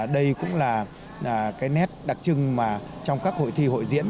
đây cũng là cái nét đặc trưng mà trong các hội thi hội diễn